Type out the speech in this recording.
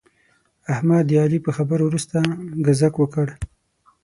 احمد د علي په خبرو ورسته ګذک وکړ.